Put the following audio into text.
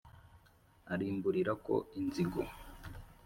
arimburirako inzigo